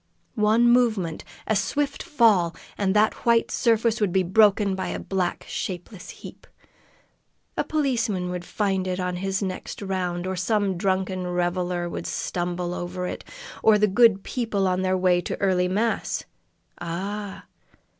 One movement, a swift fall, and that white surface would be broken by a black shapeless heap. A policeman would find it on his next round, or some drunken reveler would stumble over it, or the good people on their way to early mass ah!